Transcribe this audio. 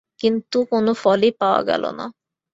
কিন্তু এতে কোনোই ফল পাওয়া গেল না।